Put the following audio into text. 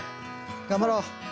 頑張ろう。